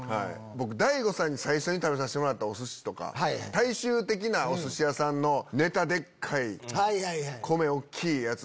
僕大悟さんに最初に食べさせてもらったお寿司とか大衆的なお寿司屋さんのネタでっかい米大っきいやつ。